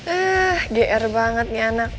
ah gr banget nih anak